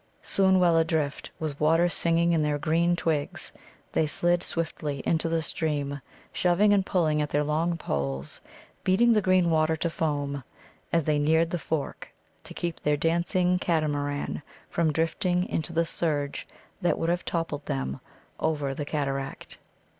Soon well adrift, with water singing in their green twigs, they slid swiftly into the stream, shoving and pulling at their long poles, beating the green water to foam, as they neared the fork, to keep their dancing catamaran from drifting into the surge that would have toppled them over the cataract.